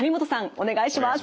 お願いします。